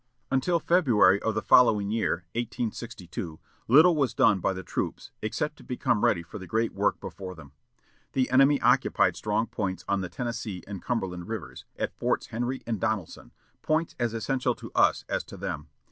Until February of the following year, 1862, little was done by the troops, except to become ready for the great work before them. The enemy occupied strong points on the Tennessee and Cumberland rivers, at Forts Henry and Donelson, points as essential to us as to them.